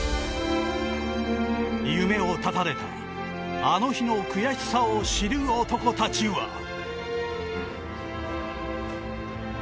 夢を絶たれた、あの日の悔しさを知る男たちは。